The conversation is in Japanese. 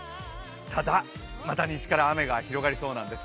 ただ、また西から雨が広がりそうなんです。